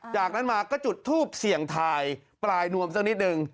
จากนั้นมาก็จุดทูปเสี่ยงทายปลายนวมสักนิดนึง